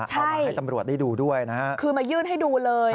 เอามาให้ตำรวจได้ดูด้วยนะฮะคือมายื่นให้ดูเลย